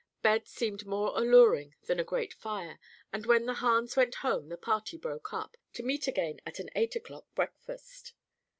Bed seemed more alluring than a grate fire and when the Hahns went home the party broke up, to meet again at an eight o'clock breakfast.